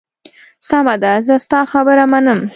سمه ده، زه ستا خبره منم.